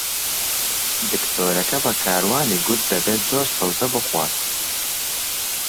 دکتۆرەکە بە کاروانی گوت دەبێت زۆر سەوزە بخوات.